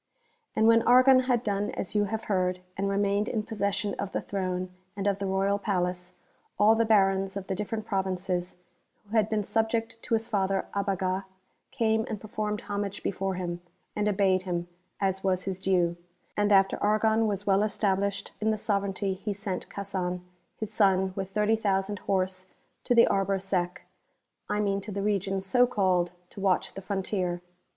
And when Argon had done as you have heard, and re mained in possession of the Throne and of the Royal Palace, all the Barons of the different Provinces, who had been subject to his father Abaga, came and performed homage before him, and obeyed him, as was his due/ And after Argon was well established in the sovereignty he sent Casan his son with 30,000 horse to the Arbre Sec, I mean to the region so called, to watch the frontier.